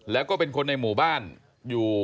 แล้วก็เป็นคนในหมู่บ้านอยู่